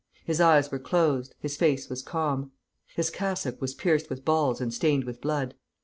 His eyes were closed, his face was calm. His cassock was pierced with balls and stained with blood.